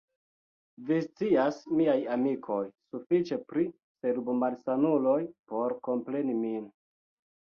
Vi scias, miaj amikoj, sufiĉe pri cerbomalsanuloj, por kompreni min.